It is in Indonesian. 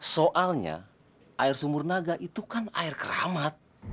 soalnya air sumur naga itu kan air keramat